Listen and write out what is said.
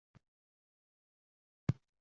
Shubhasiz, sabrli bo‘lish – ulug‘ fazilat